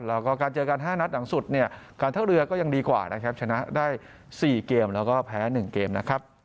แล้วก็การเจอกัน๕นัดหลังสุดเนี่ยการท่าเรือก็ยังดีกว่านะครับชนะได้๔เกมแล้วก็แพ้๑เกมนะครับ